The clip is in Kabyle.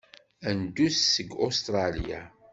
Ad neddu seg Ustṛalya.